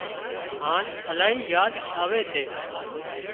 هانَ الاهي ياد آوي سي